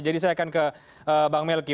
jadi saya akan ke bang melky